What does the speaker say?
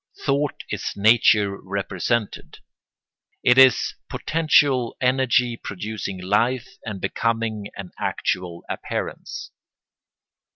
Thought is nature represented; it is potential energy producing life and becoming an actual appearance.